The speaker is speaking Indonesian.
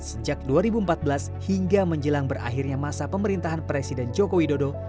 sejak dua ribu empat belas hingga menjelang berakhirnya masa pemerintahan presiden joko widodo